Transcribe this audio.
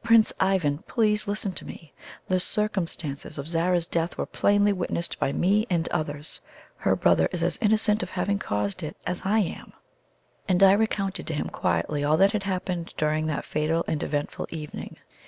Prince Ivan, please to listen to me. The circumstances of Zara's death were plainly witnessed by me and others her brother is as innocent of having caused it as I am." And I recounted to him quietly all that had happened during that fatal and eventful evening.